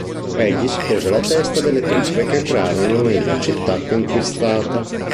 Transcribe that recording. Egli si pose alla testa delle truppe che entrarono nella città conquistata.